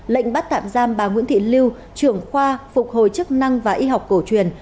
lệnh bắt tạm giam bà nguyễn thị lưu trưởng khoa phục hồi chức năng và y học cổ truyền